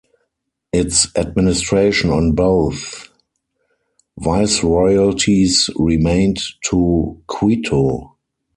Its administration on both Viceroyalties remained to Quito.